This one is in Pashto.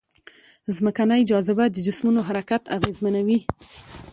ځمکنۍ جاذبه د جسمونو حرکت اغېزمنوي.